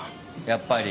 やっぱり。